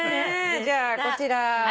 じゃあこちら。